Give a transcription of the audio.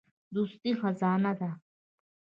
دوستي خزانه ده.